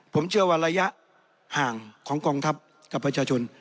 ผมเชื่อว่าระยะห่างของกองทัพกับประชาชน